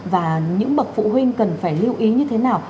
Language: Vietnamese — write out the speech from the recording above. và những bậc phụ huynh cần phải lưu ý như thế nào